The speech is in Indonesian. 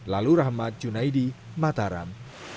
lalu rahmat cunaidi mataram